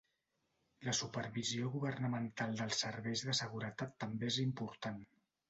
La supervisió governamental dels serveis de seguretat també és important.